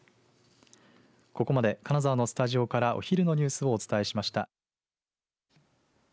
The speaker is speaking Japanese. ここまで金沢のスタジオからお昼のニュースをお伝えしました。